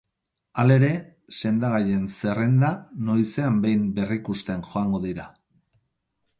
Halere, sendagaien zerrenda noizean behin berrikusten joango dira.